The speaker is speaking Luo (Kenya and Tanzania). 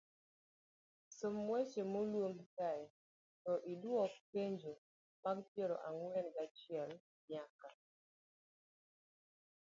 Som weche maluwogi kae to idwok penjo mag piero ang'wen gachiel nyaka